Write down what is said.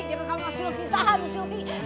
dia menganggap sylvie saham sylvie